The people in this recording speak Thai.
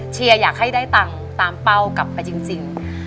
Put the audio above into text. เชียร์อยากให้ได้ตังค์ตามเป้ากลับไปจริง